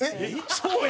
そうや！